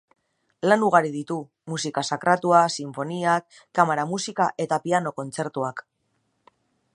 Lan ugari ditu: musika sakratua, sinfoniak, kamara-musika eta piano-kontzertuak.